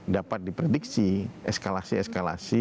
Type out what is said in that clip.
dapat diprediksi eskalasi eskalasi